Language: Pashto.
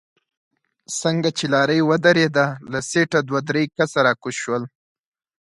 څنګه چې لارۍ ودرېده له سيټه دوه درې کسه راکوز شول.